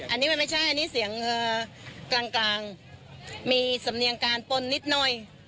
อันนี้มันไม่ใช่อันนี้เสียงกลางมีสำเนียงการปนนิดหน่อย